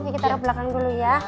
kita belakang dulu ya